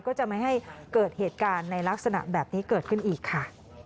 ก็จะไม่ให้เกิดเหตุการณ์ในลักษณะแบบนี้เกิดขึ้นอีกค่ะ